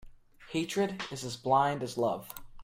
Hatred is as blind as love.